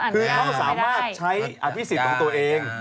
เขาสามารถใช้อธิสิตของตัวเอง